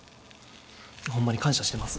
ホンマに感謝してます。